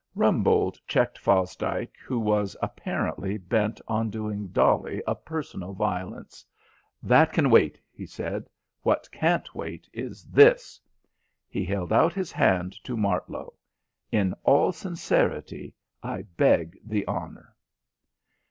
Rumbold checked Fosdike who was, apparently, bent on doing Dolly a personal violence. "That can wait," he said. "What can't wait is this." He held out his hand to Martlow. "In all sincerity, I beg the honour."